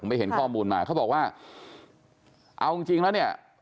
ไปเห็นข้อมูลมาเขาบอกว่าเอาจริงจริงแล้วเนี่ย